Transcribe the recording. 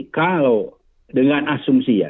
kalau dengan asumsi ya